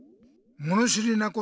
もの知りなこと。